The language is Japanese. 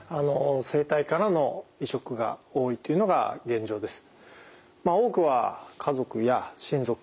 生体からの移植が多いというのが現状です。